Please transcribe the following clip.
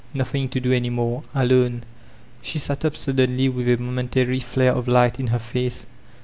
Nothing to do any more. Alone. She sat up suddenly with a momentary flare of light in her face.